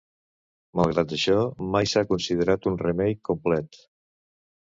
Malgrat això, mai s'ha considerat un remake complet.